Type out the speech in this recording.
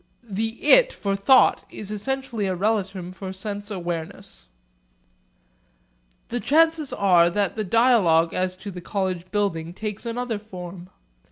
The 'it' for thought is essentially a relatum for sense awareness. The chances are that the dialogue as to the college building takes another form.